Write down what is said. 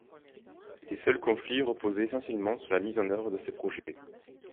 Les seuls conflits reposaient essentiellement sur la mise en œuvre de ces projets.